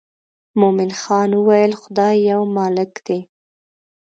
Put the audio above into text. مومن خان وویل خدای یو مالک دی.